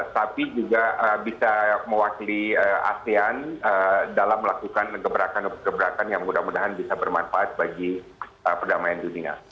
tapi juga bisa mewakili asean dalam melakukan gebrakan gebrakan yang mudah mudahan bisa bermanfaat bagi perdamaian dunia